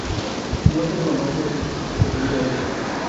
No se conoce que tuvieran hijos.